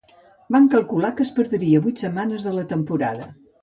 Van calcular que es perdria vuit setmanes de la temporada.